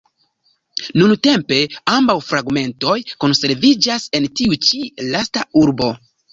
Nuntempe ambaŭ fragmentoj konserviĝas en tiu ĉi lasta urbo.